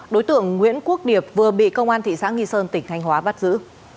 đối tượng nguyễn quốc điệp vừa bị công an thị xã nghi sơn tỉnh thanh hóa bắt giữ